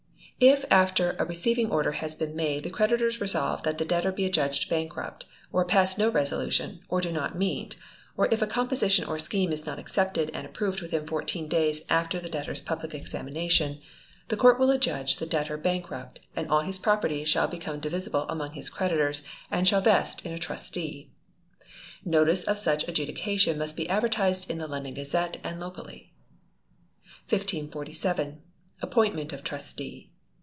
If after a receiving order has been made the creditors resolve that the debtor be adjudged bankrupt, or pass no resolution, or do not meet, or if a composition or scheme is not accepted and approved within fourteen days after the debtor's public examination, the Court will adjudge the debtor bankrupt, and his property shall become divisible among his creditors, and shall vest in a Trustee. Notice of such adjudication must be advertised in the London Gazette and locally. 1547. Appointment of Trustee.